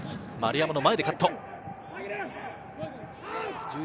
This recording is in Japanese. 丸山の前でカット。